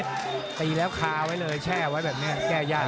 ตีแล้วคาไว้เลยแช่ไว้แบบนี้แก้ยาก